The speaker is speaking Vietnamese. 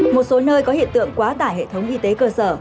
một số nơi có hiện tượng quá tải hệ thống y tế cơ sở